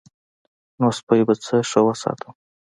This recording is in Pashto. نو سپی به څه ښه وساتم.